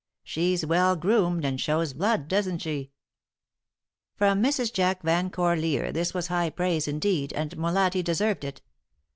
She's well groomed and shows blood, doesn't she?" From Mrs. Jack Van Corlear this was high praise indeed, and Molatti deserved it.